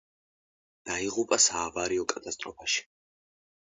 დაიღუპა საავიაციო კატასტროფაში.